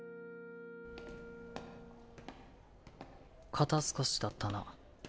肩透かしだったな。